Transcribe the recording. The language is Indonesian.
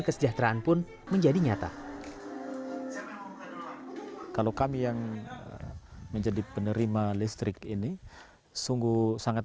kesejahteraan pun menjadi nyata kalau kami yang menjadi penerima listrik ini sungguh sangat